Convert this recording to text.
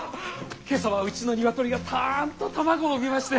今朝はうちの鶏がたんと卵を産みまして。